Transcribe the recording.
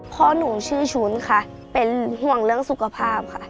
พ่อหนูชื่อชุ้นค่ะเป็นห่วงเรื่องสุขภาพค่ะ